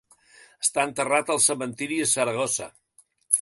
Està enterrat al cementiri de Saragossa.